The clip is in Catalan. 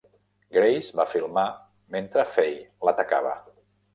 Grace va filmar mentre Faye l'atacava.